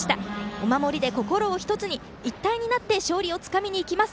お守りで心を１つに一体となって勝利をつかみます。